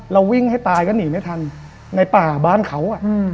เราวิ่งให้ตายก็หนีไม่ทันในป่าบ้านเขา